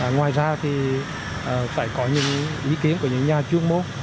ngoài ra thì phải có những ý kiến của những nhà chuyên môn